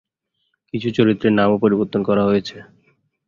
কিছু চরিত্রের নামও পরিবর্তন করা হয়েছে।